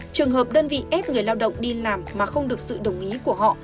trường hợp đơn vị ép người lao động đi làm mà không được sự đồng ý của họ